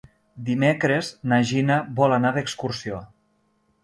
Dimecres na Gina vol anar d'excursió.